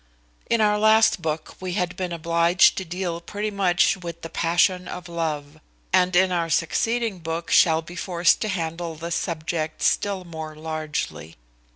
In our last book we have been obliged to deal pretty much with the passion of love; and in our succeeding book shall be forced to handle this subject still more largely.